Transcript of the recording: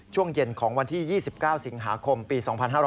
ช่วงเย็นของวันที่๒๙สิงหาคมปี๒๕๕๙